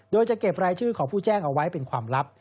โดยจะเก็บรายชื่อของผู้แจ้งเอาไว้เป็นความลับ